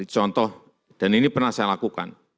contoh dan ini pernah saya lakukan